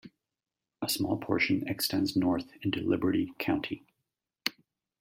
A small portion extends north into Liberty County.